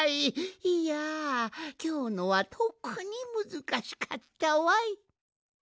いやきょうのはとくにむずかしかったわい。